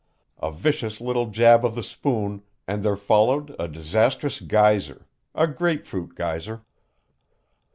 A vicious little jab of the spoon and there followed a disastrous geyser a grapefruit geyser.